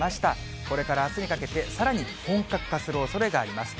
これからあすにかけて、さらに本格化するおそれがあります。